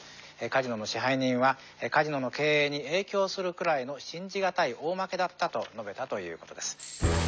カジノの支配人はカジノの経営に影響するくらいの信じ難い大負けだったと述べたということです。